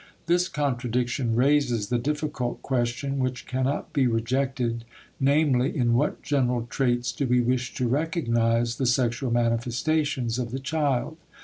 This contradiction raises the difficult question, which cannot be rejected, namely, in what general traits do we wish to recognize the sexual manifestations of the child.